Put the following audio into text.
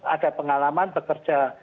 ada pengalaman bekerja